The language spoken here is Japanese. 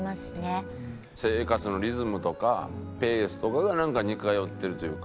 生活のリズムとかペースとかがなんか似通ってるというか。